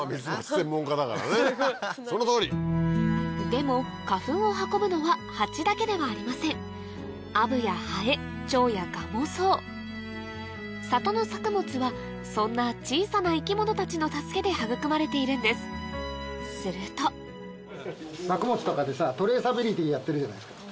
でも花粉を運ぶのはハチだけではありませんアブやハエチョウやガもそう里の作物はそんな小さな生き物たちの助けで育まれているんですするとやってるじゃないですか。